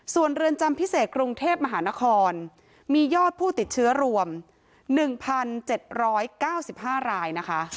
ส่วนเรือนจำพิเศษกรุงเทพมหานครมียอดผู้ติดเชื้อรวม๑๗๙๕รายนะคะ